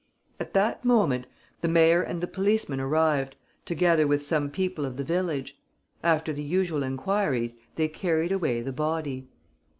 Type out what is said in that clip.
At that moment, the mayor and the policeman arrived, together with some people of the village. After the usual enquiries, they carried away the body.